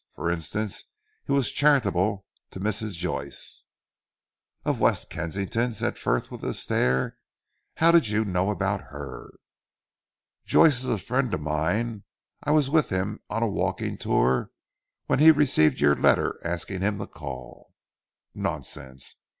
For instance, he was charitable to Mrs. Joyce." "Of West Kensington?" said Frith with a stare. "How did you know about her." "Joyce is a friend of mine. I was with him on a walking tour when he received your letter asking him to call." "Nonsense.